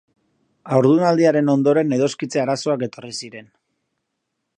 Haurdunaldiaren ondoren edoskitze arazoak etorri ziren.